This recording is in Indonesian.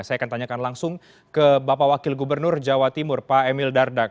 saya akan tanyakan langsung ke bapak wakil gubernur jawa timur pak emil dardak